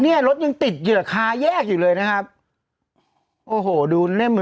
เนี่ยรถยังติดเหยื่อคาแยกอยู่เลยนะครับโอ้โหดูแน่น